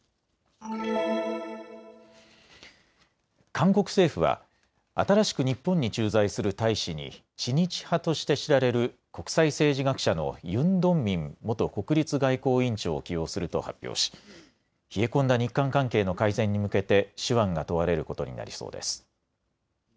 韓国政府は新しく日本に駐在する大使に知日派として知られる国際政治学者のユン・ドンミン元国立外交院長を起用すると発表し冷え込んだ日韓関係の改善に向けて手腕が問われることになりそうです。